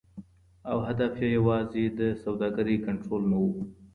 او هدف ئې یوازي د سوداګرۍ کنټرول نه و.